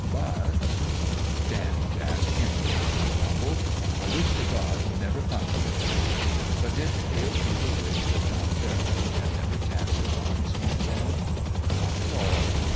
But " Damn Jack, anyhow I " he grumbled. " I wish to God he'd never come here !" But did Pale Peter wish that John Fairmeadow had never chanced upon Swamp's End? Not at all